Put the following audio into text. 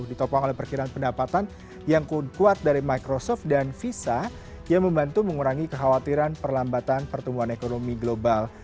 ditopang oleh perkiraan pendapatan yang kuat dari microsoft dan visa yang membantu mengurangi kekhawatiran perlambatan pertumbuhan ekonomi global